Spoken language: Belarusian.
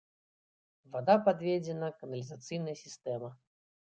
Вада падведзена, каналізацыйная сістэма.